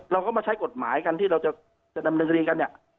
เราก็มาใช้กฎหมายกันที่เราจะดำเนินคดีกันเนี่ย